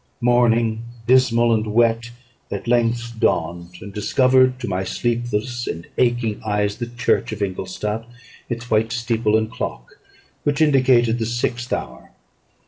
Morning, dismal and wet, at length dawned, and discovered to my sleepless and aching eyes the church of Ingolstadt, its white steeple and clock, which indicated the sixth hour.